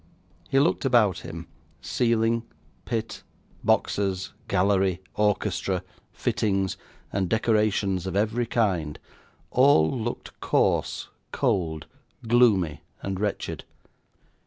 He looked about him; ceiling, pit, boxes, gallery, orchestra, fittings, and decorations of every kind, all looked coarse, cold, gloomy, and wretched.